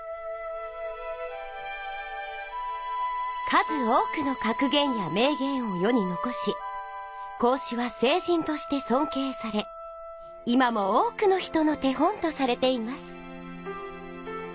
数多くのかく言や名言をよにのこし孔子はせい人としてそんけいされ今も多くの人の手本とされています。